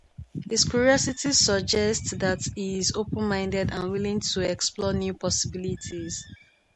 His curiosity suggests that he is open-minded and willing to explore new possibilities.